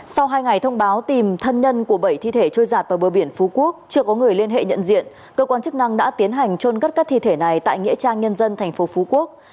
sau hai ngày thông báo tìm thân nhân của bảy thi thể trôi giạt vào bờ biển phú quốc chưa có người liên hệ nhận diện cơ quan chức năng đã tiến hành trôn cất các thi thể này tại nghĩa trang nhân dân tp phú quốc